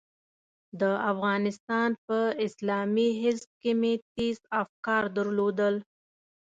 د افغانستان په اسلامي حزب کې مې تېز افکار درلودل.